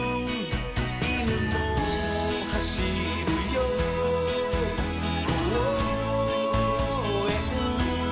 「いぬもはしるよこうえん」